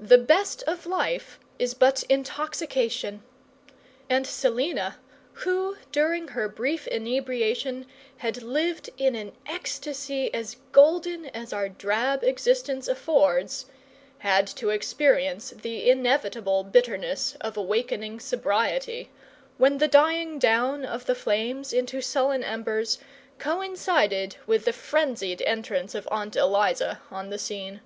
"The best of life is but intoxication;" and Selina, who during her brief inebriation had lived in an ecstasy as golden as our drab existence affords, had to experience the inevitable bitterness of awakening sobriety, when the dying down of the flames into sullen embers coincided with the frenzied entrance of Aunt Eliza on the scene.